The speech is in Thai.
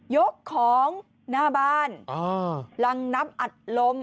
ยกของหน้าบ้านรังน้ำอัดลม